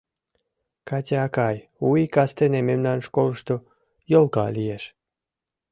— Катя акай, У ий кастене мемнан школышто елка лиеш!